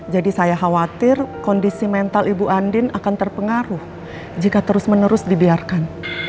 jadi saya khawatir kondisi mental ibu andin akan terpengaruh jika terus menerus dibiarkan